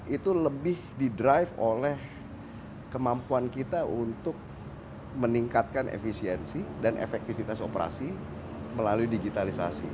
itu lebih didrive oleh kemampuan kita untuk meningkatkan efisiensi dan efektivitas operasi melalui digitalisasi